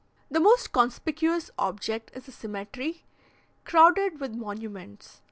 The most conspicuous object is a cemetery, crowded with monuments.